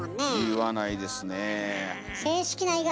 言わないですね。